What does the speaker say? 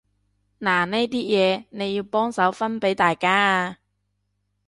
嗱呢啲嘢，你幫手分畀大家啊